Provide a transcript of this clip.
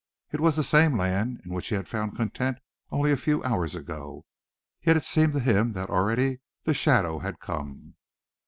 It was the same land in which he had found content only a few hours ago, yet it seemed to him that already the shadow had come.